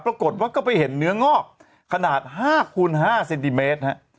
ปรากฏว่าก็ไปเห็นเนื้องอกขนาด๕คูณ๕เซนติเมตรฮะ